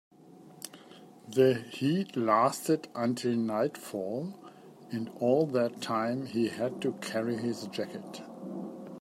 The heat lasted until nightfall, and all that time he had to carry his jacket.